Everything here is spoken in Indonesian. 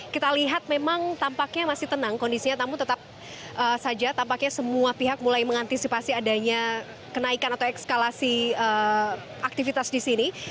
kita lihat memang tampaknya masih tenang kondisinya namun tetap saja tampaknya semua pihak mulai mengantisipasi adanya kenaikan atau ekskalasi aktivitas di sini